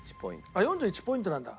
あっ４１ポイントなんだ。